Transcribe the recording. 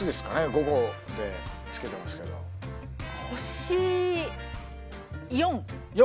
５個でつけてますけど星４４？